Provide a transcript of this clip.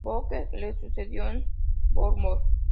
Bouquet le sucedió en Bourbon.